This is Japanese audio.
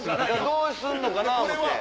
どうすんのかな思て。